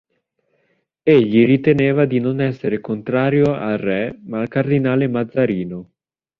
Egli riteneva di non essere contrario al re ma al cardinale Mazarino.